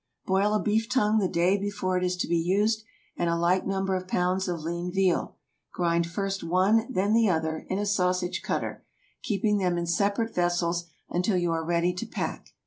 Boil a beef tongue the day before it is to be used, and a like number of pounds of lean veal. Grind first one, then the other, in a sausage cutter, keeping them in separate vessels until you are ready to pack.